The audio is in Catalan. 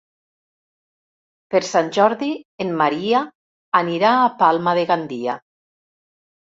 Per Sant Jordi en Maria anirà a Palma de Gandia.